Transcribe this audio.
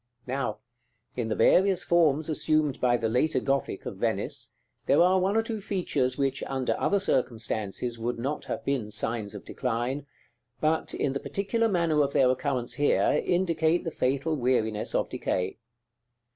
Now, in the various forms assumed by the later Gothic of Venice, there are one or two features which, under other circumstances, would not have been signs of decline; but, in the particular manner of their occurrence here, indicate the fatal weariness of decay.